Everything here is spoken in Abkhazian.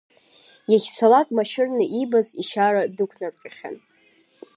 Иахьцалак машәырны иибаз ишьара дықәнарҟьахьан.